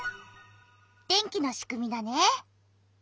電気のしくみだね。